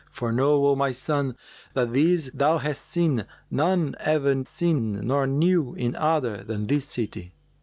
For know, O my son, that this thou hast seen, none ever kenned nor knew in other than this city.